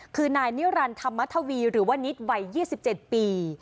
คือนายนิรันดิธรรมทวีหรือว่านิดวัย๒๗ปี